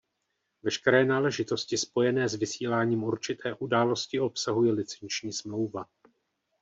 Veškeré náležitosti spojené s vysíláním určité události obsahuje licenční smlouva.